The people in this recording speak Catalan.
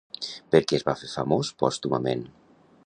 Per què es va fer famós pòstumament?